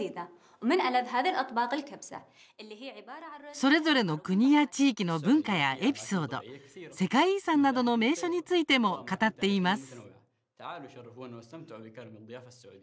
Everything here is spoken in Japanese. それぞれの国や地域の文化やエピソード、世界遺産などの名所についても語っています。